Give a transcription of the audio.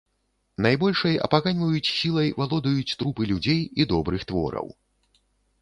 Найбольшай апаганьваюць сілай валодаюць трупы людзей і добрых твораў.